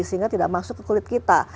sehingga tidak masuk ke kulit kita